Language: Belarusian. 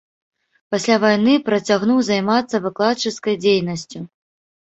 Пасля вайны працягнуў займацца выкладчыцкай дзейнасцю.